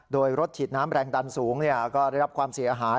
โดยรถฉีดน้ำแรงดันสูงก็ได้รับความเสียหาย